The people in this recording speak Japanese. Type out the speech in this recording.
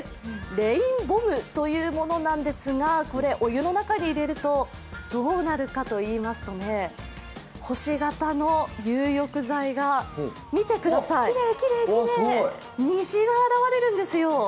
Ｒａｉｎｂｏｍｂというものなんですが、お湯の中に入れるとどうなるかといいますと、星形の入浴剤が、見てください、虹が現れるんですよ。